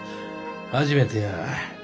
初めてや。